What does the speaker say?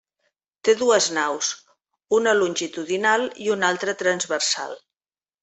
Té dues naus, una longitudinal i una altra transversal.